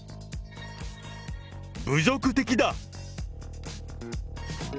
侮辱的だ。